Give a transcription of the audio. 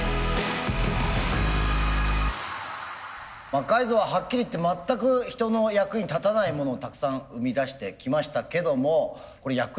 魔改造ははっきり言って全く人の役に立たないものをたくさん生み出してきましたけどもこれ役に立つんでしょうか？